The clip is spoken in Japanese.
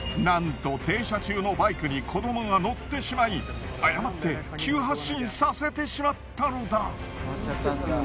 なんと停車中のバイクに子どもが乗ってしまい誤って急発進させてしまったのだ。